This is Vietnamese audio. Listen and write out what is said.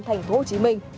thành phố hồ chí minh